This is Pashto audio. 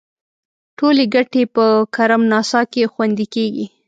ټولې ګټې په کرم ناسا کې خوندي کیږي.